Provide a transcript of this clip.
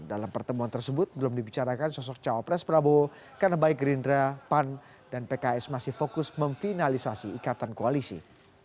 dalam pertemuan tersebut belum dibicarakan sosok cawapres prabowo karena baik gerindra pan dan pks masih fokus memfinalisasi ikatan koalisi